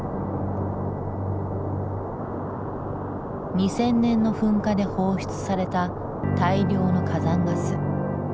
２０００年の噴火で放出された大量の火山ガス。